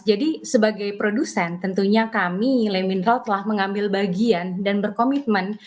jadi sebagai produsen tentunya kami lai mineral telah mengambil bagian dan berkomitmen